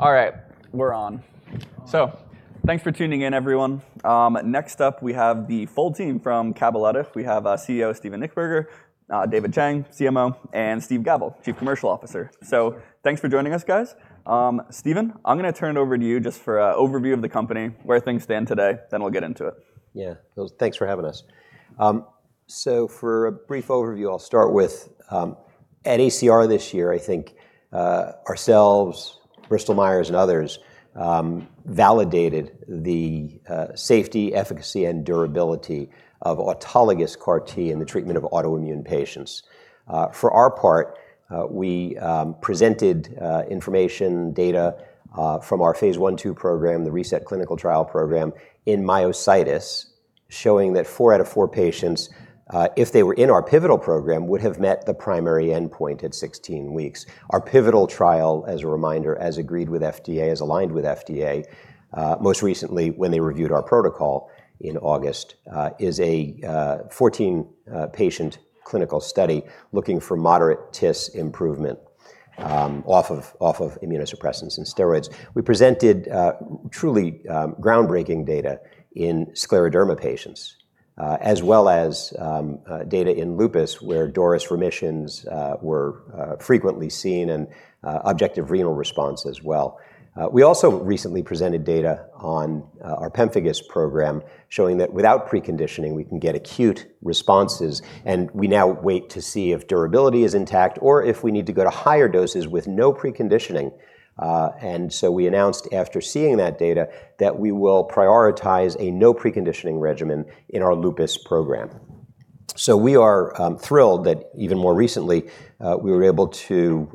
All right, we're on. Thanks for tuning in, everyone. Next up, we have the full team from Cabaletta. We have CEO Steven Nichtberger, David Chang, CMO, and Steve Gavel, Chief Commercial Officer. Thanks for joining us, guys. Steven, I'm going to turn it over to you just for an overview of the company, where things stand today. Then we'll get into it. Yeah, thanks for having us. For a brief overview, I'll start with, at ACR this year, I think ourselves, Bristol Myers, and others validated the safety, efficacy, and durability of autologous CAR-T in the treatment of autoimmune patients. For our part, we presented information, data from our phase I-II program, the RESET clinical trial program, in myositis, showing that four out of four patients, if they were in our pivotal program, would have met the primary endpoint at 16 weeks. Our pivotal trial, as a reminder, as agreed with FDA, as aligned with FDA, most recently when they reviewed our protocol in August, is a 14-patient clinical study looking for moderate TIS improvement off of immunosuppressants and steroids. We presented truly groundbreaking data in scleroderma patients, as well as data in lupus, where DORIS remissions were frequently seen and objective renal response as well. We also recently presented data on our pemphigus program, showing that without preconditioning, we can get acute responses. We now wait to see if durability is intact or if we need to go to higher doses with no preconditioning. We announced, after seeing that data, that we will prioritize a no preconditioning regimen in our lupus program. We are thrilled that even more recently, we were able to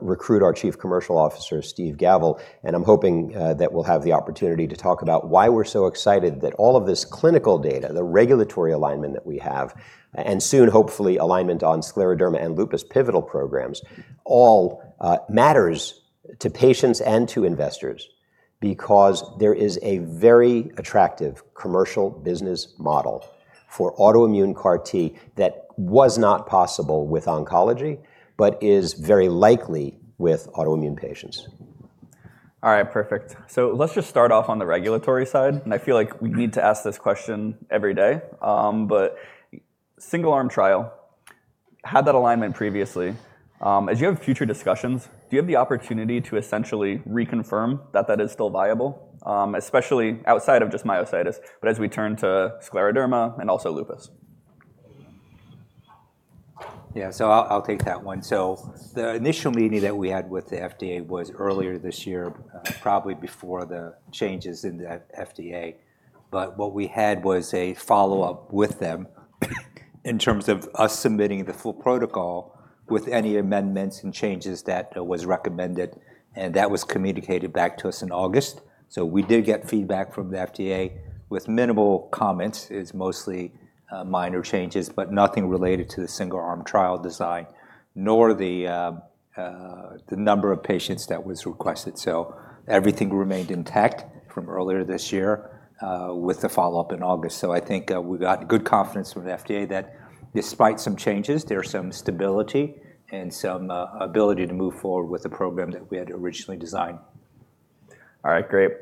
recruit our Chief Commercial Officer, Steve Gavel. I'm hoping that we'll have the opportunity to talk about why we're so excited that all of this clinical data, the regulatory alignment that we have, and soon, hopefully, alignment on scleroderma and lupus pivotal programs, all matters to patients and to investors, because there is a very attractive commercial business model for autoimmune CAR-T that was not possible with oncology, but is very likely with autoimmune patients. All right, perfect. Let's just start off on the regulatory side. I feel like we need to ask this question every day. Single-arm trial, had that alignment previously, as you have future discussions, do you have the opportunity to essentially reconfirm that that is still viable, especially outside of just myositis, but as we turn to scleroderma and also lupus? Yeah, so I'll take that one. The initial meeting that we had with the FDA was earlier this year, probably before the changes in the FDA. What we had was a follow-up with them in terms of us submitting the full protocol with any amendments and changes that were recommended. That was communicated back to us in August. We did get feedback from the FDA with minimal comments. It was mostly minor changes, but nothing related to the single-arm trial design, nor the number of patients that was requested. Everything remained intact from earlier this year with the follow-up in August. I think we got good confidence from the FDA that despite some changes, there's some stability and some ability to move forward with the program that we had originally designed. All right, great.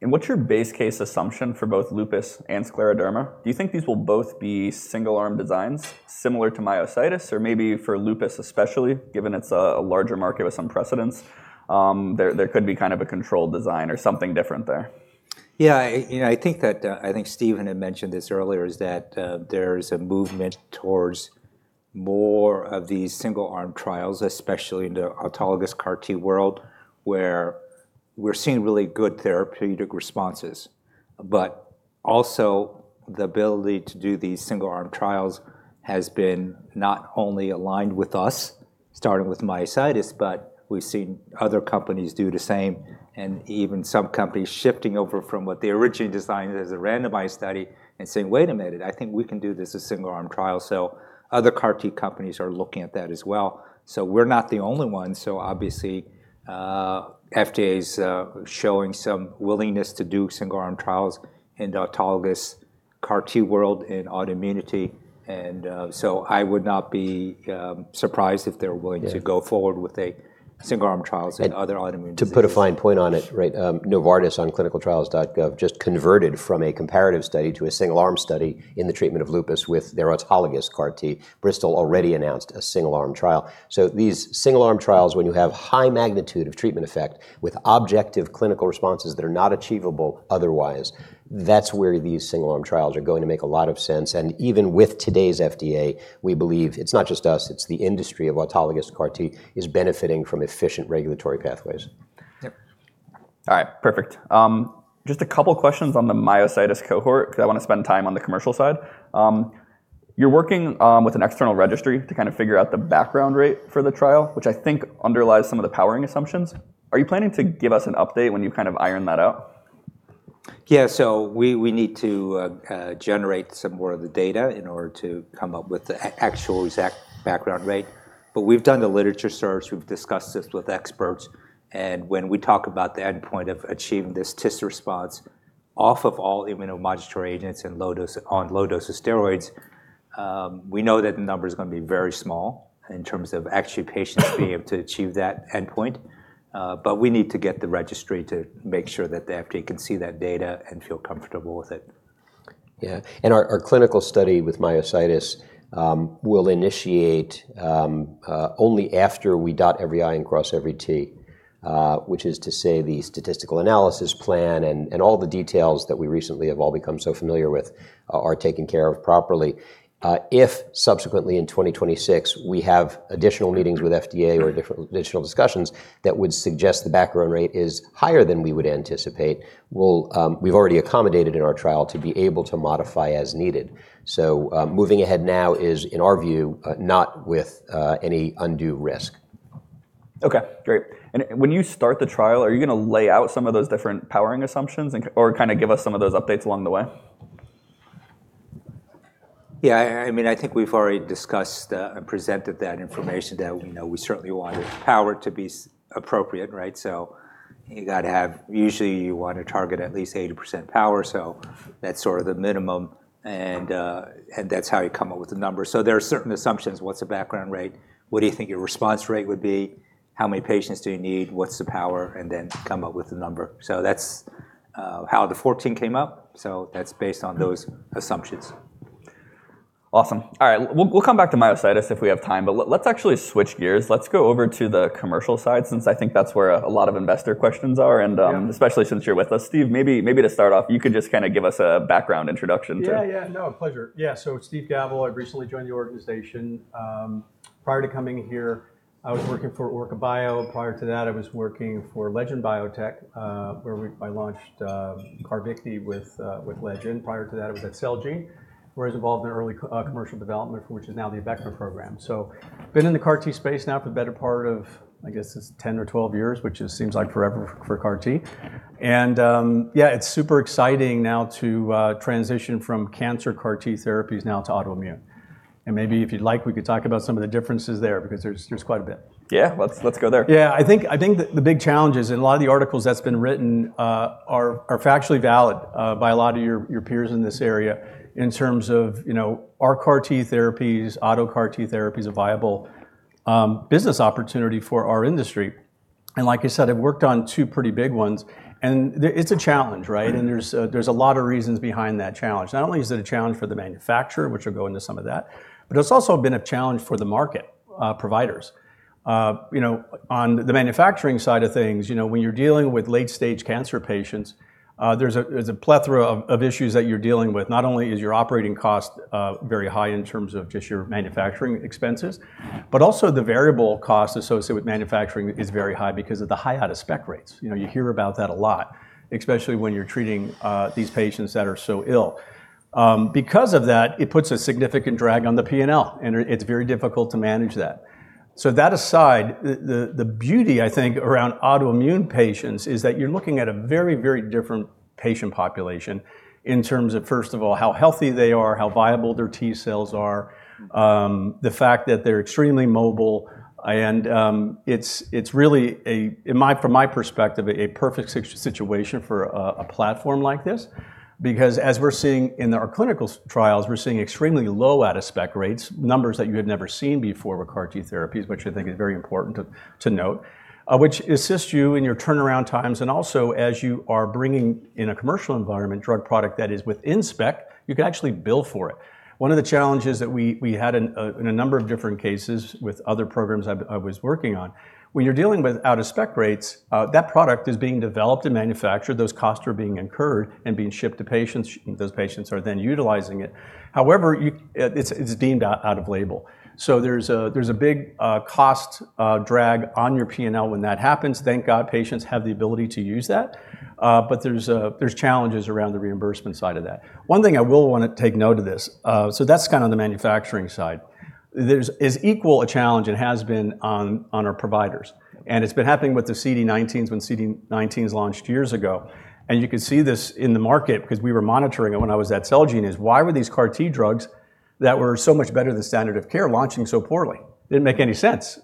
What's your base case assumption for both lupus and scleroderma? Do you think these will both be single-arm designs similar to myositis, or maybe for lupus especially, given it's a larger market with some precedence? There could be kind of a controlled design or something different there. Yeah, I think that, I think Steven had mentioned this earlier, is that there's a movement towards more of these single-arm trials, especially in the autologous CAR-T world, where we're seeing really good therapeutic responses. Also, the ability to do these single-arm trials has been not only aligned with us, starting with myositis, but we've seen other companies do the same, and even some companies shifting over from what they originally designed as a randomized study and saying, wait a minute, I think we can do this as a single-arm trial. Other CAR-T companies are looking at that as well. We're not the only one. Obviously, FDA is showing some willingness to do single-arm trials in the autologous CAR-T world in autoimmunity. I would not be surprised if they're willing to go forward with single-arm trials in other autoimmune patients. To put a fine point on it, right, Novartis on clinicaltrials.gov just converted from a comparative study to a single-arm study in the treatment of lupus with their autologous CAR-T. Bristol already announced a single-arm trial. These single-arm trials, when you have high magnitude of treatment effect with objective clinical responses that are not achievable otherwise, that's where these single-arm trials are going to make a lot of sense. Even with today's FDA, we believe it's not just us, it's the industry of autologous CAR-T is benefiting from efficient regulatory pathways. Yep. All right, perfect. Just a couple of questions on the myositis cohort, because I want to spend time on the commercial side. You're working with an external registry to kind of figure out the background rate for the trial, which I think underlies some of the powering assumptions. Are you planning to give us an update when you kind of iron that out? Yeah, we need to generate some more of the data in order to come up with the actual exact background rate. We've done the literature search. We've discussed this with experts. When we talk about the endpoint of achieving this TIS response off of all immunomodulatory agents and on low dose of steroids, we know that the number is going to be very small in terms of actually patients being able to achieve that endpoint. We need to get the registry to make sure that the FDA can see that data and feel comfortable with it. Yeah, and our clinical study with myositis will initiate only after we dot every i and cross every t, which is to say the statistical analysis plan and all the details that we recently have all become so familiar with are taken care of properly. If subsequently in 2026, we have additional meetings with FDA or additional discussions that would suggest the background rate is higher than we would anticipate, we've already accommodated in our trial to be able to modify as needed. Moving ahead now is, in our view, not with any undue risk. OK, great. And when you start the trial, are you going to lay out some of those different powering assumptions or kind of give us some of those updates along the way? Yeah, I mean, I think we've already discussed and presented that information that we know we certainly wanted power to be appropriate, right? You have to have, usually you want to target at least 80% power. That is sort of the minimum. That is how you come up with the number. There are certain assumptions. What is the background rate? What do you think your response rate would be? How many patients do you need? What is the power? Then come up with the number. That is how the 14 came up. That is based on those assumptions. Awesome. All right, we'll come back to myositis if we have time. Let's actually switch gears. Let's go over to the commercial side, since I think that's where a lot of investor questions are, and especially since you're with us. Steve, maybe to start off, you could just kind of give us a background introduction to. Yeah, yeah, no, pleasure. Yeah, so it's Steve Gavel. I recently joined the organization. Prior to coming here, I was working for Orca Bio. Prior to that, I was working for Legend Biotech, where I launched CARVYKTI with Legend. Prior to that, I was at Celgene, where I was involved in early commercial development for which is now the ABECMA program. So I've been in the CAR-T space now for the better part of, I guess, 10 or 12 years, which seems like forever for CAR-T. Yeah, it's super exciting now to transition from cancer CAR-T therapies now to autoimmune. Maybe if you'd like, we could talk about some of the differences there, because there's quite a bit. Yeah, let's go there. Yeah, I think the big challenge is in a lot of the articles that have been written are factually valid by a lot of your peers in this area in terms of are CAR -T therapies, auto CAR-T therapies, a viable business opportunity for our industry. Like I said, I've worked on two pretty big ones. It's a challenge, right? There's a lot of reasons behind that challenge. Not only is it a challenge for the manufacturer, which we'll go into some of that, but it's also been a challenge for the market providers. On the manufacturing side of things, when you're dealing with late-stage cancer patients, there's a plethora of issues that you're dealing with. Not only is your operating cost very high in terms of just your manufacturing expenses, but also the variable cost associated with manufacturing is very high because of the high out-of-spec rates. You hear about that a lot, especially when you're treating these patients that are so ill. Because of that, it puts a significant drag on the P&L, and it's very difficult to manage that. That aside, the beauty, I think, around autoimmune patients is that you're looking at a very, very different patient population in terms of, first of all, how healthy they are, how viable their T cells are, the fact that they're extremely mobile. It's really, from my perspective, a perfect situation for a platform like this, because as we're seeing in our clinical trials, we're seeing extremely low out-of-spec rates, numbers that you had never seen before with CAR-T therapies, which I think is very important to note, which assist you in your turnaround times. Also, as you are bringing in a commercial environment drug product that is within spec, you can actually bill for it. One of the challenges that we had in a number of different cases with other programs I was working on, when you're dealing with out-of-spec rates, that product is being developed and manufactured. Those costs are being incurred and being shipped to patients. Those patients are then utilizing it. However, it's deemed out of label. There is a big cost drag on your P&L when that happens. Thank God patients have the ability to use that. There are challenges around the reimbursement side of that. One thing I will want to take note of, so that's kind of the manufacturing side, is equal a challenge and has been on our providers. It has been happening with the CD19s when CD19s launched years ago. You could see this in the market, because we were monitoring it when I was at Celgene, is why were these CAR-T drugs that were so much better than standard of care launching so poorly? Didn't make any sense.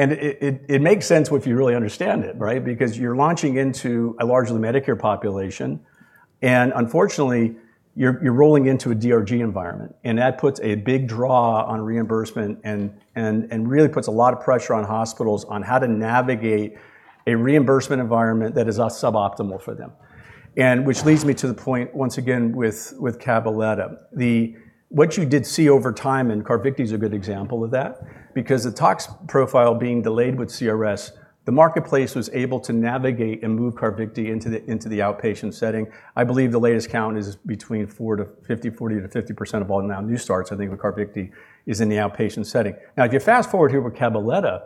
It makes sense if you really understand it, right? Because you're launching into a large Medicare population. Unfortunately, you're rolling into a DRG environment. That puts a big draw on reimbursement and really puts a lot of pressure on hospitals on how to navigate a reimbursement environment that is suboptimal for them. Which leads me to the point, once again, with Cabaletta. What you did see over time, and CARVYKTI is a good example of that, because the tox profile being delayed with CRS, the marketplace was able to navigate and move CARVYKTI into the outpatient setting. I believe the latest count is between 40% to 50% of all now new starts, I think, with CARVYKTI is in the outpatient setting. Now, if you fast forward here with Cabaletta,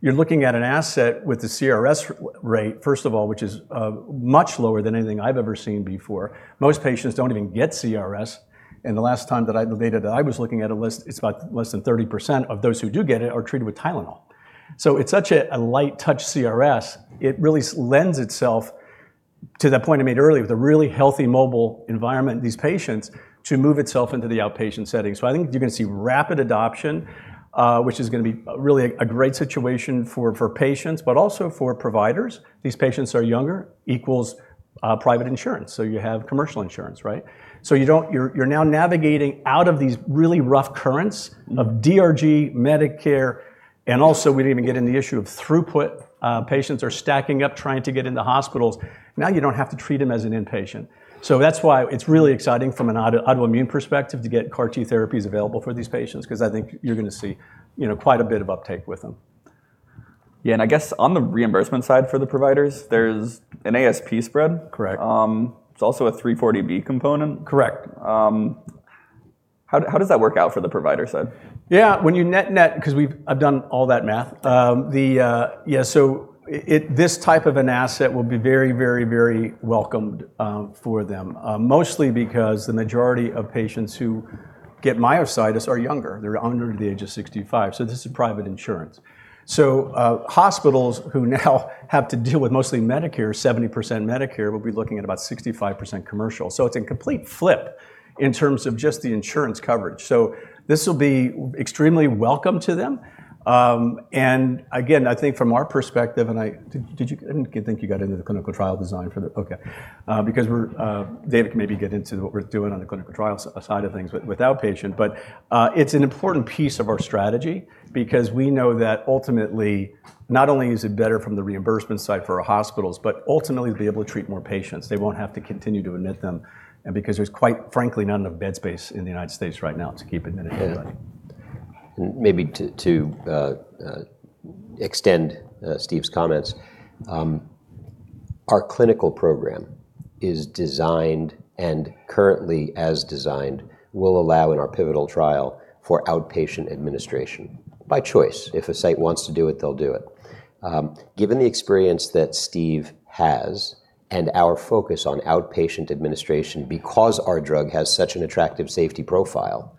you're looking at an asset with the CRS rate, first of all, which is much lower than anything I've ever seen before. Most patients don't even get CRS. The last time that I had the data that I was looking at a list, it's about less than 30% of those who do get it are treated with Tylenol. It is such a light touch CRS, it really lends itself to that point I made earlier with a really healthy, mobile environment, these patients, to move itself into the outpatient setting. I think you're going to see rapid adoption, which is going to be really a great situation for patients, but also for providers. These patients are younger, equals private insurance. You have commercial insurance, right? You are now navigating out of these really rough currents of DRG, Medicare, and also we did not even get into the issue of throughput. Patients are stacking up trying to get into hospitals. You do not have to treat them as an inpatient. That is why it is really exciting from an autoimmune perspective to get CAR-T therapies available for these patients, because I think you are going to see quite a bit of uptake with them. Yeah, and I guess on the reimbursement side for the providers, there's an ASP spread. Correct. It's also a 340B component. Correct. How does that work out for the provider side? Yeah, when you net net, because I've done all that math, yeah, so this type of an asset will be very, very, very welcomed for them, mostly because the majority of patients who get myositis are younger. They're under the age of 65. This is private insurance. Hospitals who now have to deal with mostly Medicare, 70% Medicare, will be looking at about 65% commercial. It's a complete flip in terms of just the insurance coverage. This will be extremely welcome to them. Again, I think from our perspective, and I didn't think you got into the clinical trial design for the - OK, because David can maybe get into what we're doing on the clinical trial side of things with outpatient. It's an important piece of our strategy, because we know that ultimately, not only is it better from the reimbursement side for our hospitals, but ultimately they'll be able to treat more patients. They won't have to continue to admit them, because there's quite frankly none of bed space in the United States right now to keep admitting anybody. Maybe to extend Steve's comments, our clinical program is designed and currently as designed will allow in our pivotal trial for outpatient administration by choice. If a site wants to do it, they'll do it. Given the experience that Steve has and our focus on outpatient administration, because our drug has such an attractive safety profile,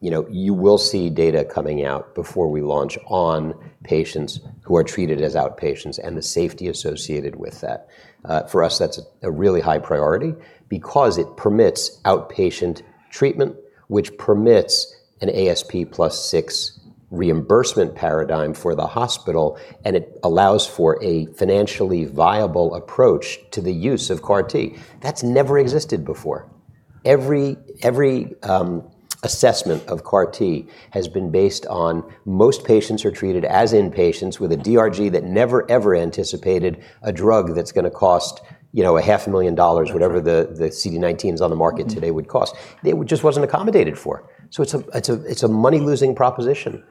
you will see data coming out before we launch on patients who are treated as outpatients and the safety associated with that. For us, that's a really high priority because it permits outpatient treatment, which permits an ASP plus 6% reimbursement paradigm for the hospital, and it allows for a financially viable approach to the use of CAR-T. That's never existed before. Every assessment of CAR-T has been based on most patients are treated as inpatients with a DRG that never ever anticipated a drug that's going to cost $500,000, whatever the CD19s on the market today would cost. It just wasn't accommodated for. It's a money-losing proposition.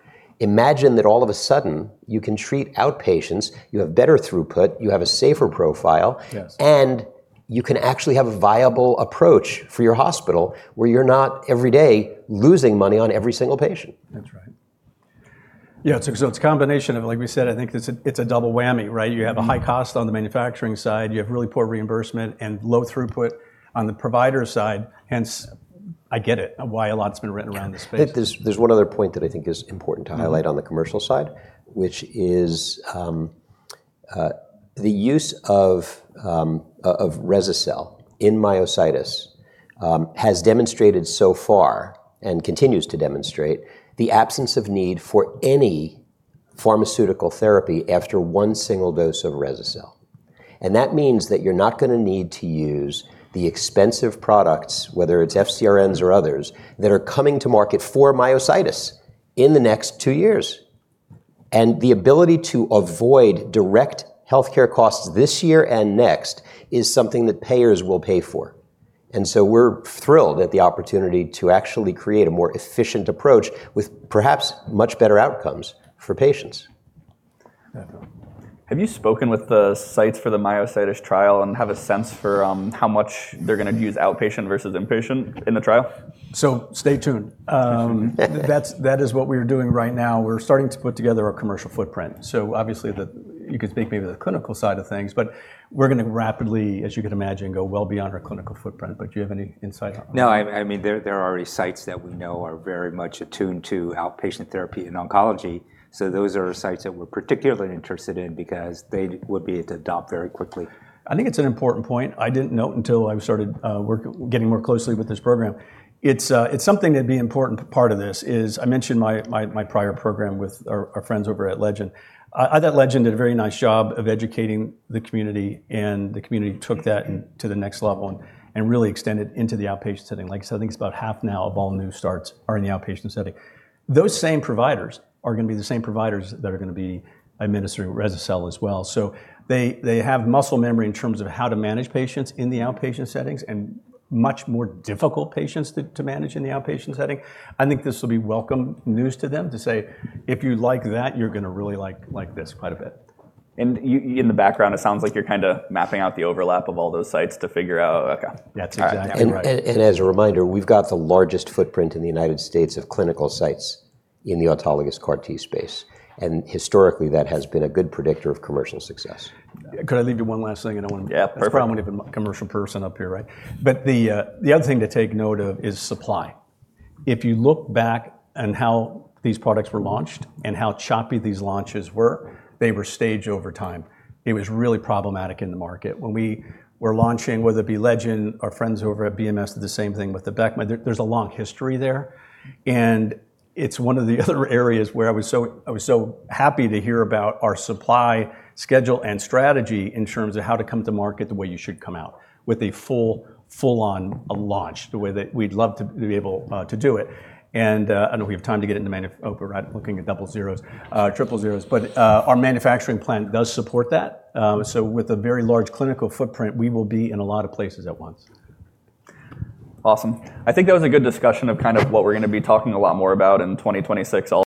Imagine that all of a sudden you can treat outpatients, you have better throughput, you have a safer profile, and you can actually have a viable approach for your hospital where you're not every day losing money on every single patient. That's right. Yeah, so it's a combination of, like we said, I think it's a double whammy, right? You have a high cost on the manufacturing side, you have really poor reimbursement, and low throughput on the provider side. Hence, I get it why a lot has been written around this space. There's one other point that I think is important to highlight on the commercial side, which is the use of rese-cel in myositis has demonstrated so far and continues to demonstrate the absence of need for any pharmaceutical therapy after one single dose of rese-cel. That means that you're not going to need to use the expensive products, whether it's FcRn's or others, that are coming to market for myositis in the next two years. The ability to avoid direct health care costs this year and next is something that payers will pay for. We're thrilled at the opportunity to actually create a more efficient approach with perhaps much better outcomes for patients. Have you spoken with the sites for the myositis trial and have a sense for how much they're going to use outpatient versus inpatient in the trial? Stay tuned. That is what we're doing right now. We're starting to put together our commercial footprint. Obviously, you could speak maybe the clinical side of things. We're going to rapidly, as you can imagine, go well beyond our clinical footprint. Do you have any insight? No, I mean, there are already sites that we know are very much attuned to outpatient therapy in oncology. Those are sites that we're particularly interested in because they would be able to adopt very quickly. I think it's an important point. I didn't note until I started getting more closely with this program. It's something that'd be an important part of this as I mentioned my prior program with our friends over at Legend. Legend did a very nice job of educating the community, and the community took that to the next level and really extended into the outpatient setting. Like I said, I think it's about half now of all new starts are in the outpatient setting. Those same providers are going to be the same providers that are going to be administering rese-cel as well. So they have muscle memory in terms of how to manage patients in the outpatient settings and much more difficult patients to manage in the outpatient setting. I think this will be welcome news to them to say, if you like that, you're going to really like this quite a bit. In the background, it sounds like you're kind of mapping out the overlap of all those sites to figure out. Yeah, it's exactly right. We have the largest footprint in the United States of clinical sites in the autologous CAR-T space. Historically, that has been a good predictor of commercial success. Could I leave you one last thing? I don't want to. Yeah, perfect. I'm a commercial person up here, right? The other thing to take note of is supply. If you look back on how these products were launched and how choppy these launches were, they were staged over time. It was really problematic in the market. When we were launching, whether it be Legend, our friends over at BMS did the same thing with Abecma. There's a long history there. It is one of the other areas where I was so happy to hear about our supply schedule and strategy in terms of how to come to market the way you should come out with a full-on launch, the way that we'd love to be able to do it. I don't know if we have time to get into manufacturing, looking at double zeros, triple zeros. Our manufacturing plant does support that. With a very large clinical footprint, we will be in a lot of places at once. Awesome. I think that was a good discussion of kind of what we're going to be talking a lot more about in 2026.